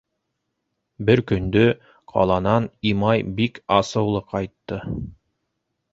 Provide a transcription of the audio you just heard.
Бер көндө ҡаланан Имай бик асыулы ҡайтты.